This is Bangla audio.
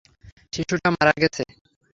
শিশুটা মারা গেছে।